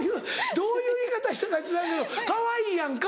どういう言い方してたか知らんけどかわいいやんか！